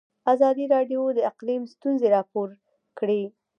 ازادي راډیو د اقلیم ستونزې راپور کړي.